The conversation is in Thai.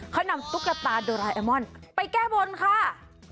เขานำตุ๊กตาโดราแอมอนไปแก้บนค่ะ